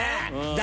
誰？